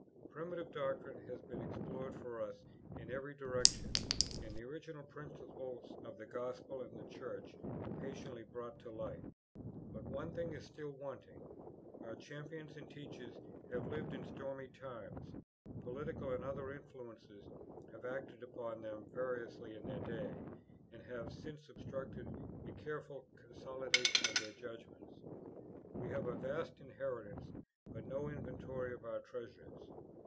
Primitive doctrine has been explored for us in every direction, and the original principles of the Gospel and the Church patiently brought to light. But one thing is still wanting: our champions and teachers have lived in stormy times: political and other influences have acted upon them variously in their day, and have since obstructed a careful consolidation of their judgments. We have a vast inheritance, but no inventory of our treasures.